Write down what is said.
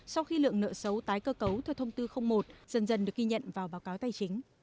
sau khi lượng nợ xấu tái cơ cấu theo thông tư một dần dần được ghi nhận vào báo cáo tài chính